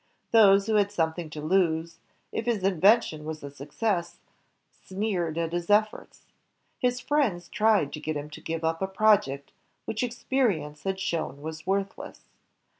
Those who had something to lose, if his invention was a success, sneered at his efforts. His friends tried to get him to give up a project which experience had shown was worth less.